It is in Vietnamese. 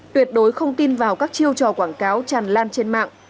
tuyệt đối không tin vào các chiêu trò quảng cáo tràn lan trên mạng